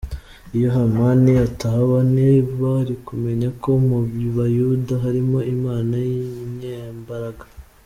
iyo Hamani atahaba ntibari kumenya ko mu bayuda harimo Imana y'inyembaraga.